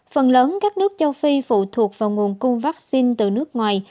phần lớn các nước châu phi phụ thuộc vào nguồn cung vaccine từ nước ngoài